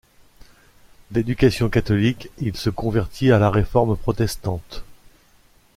D'éducation catholique, il se convertit à la Réforme protestante.